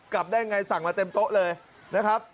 กลับได้ไงสั่งมาเต็มโต๊ะเลยนะครับ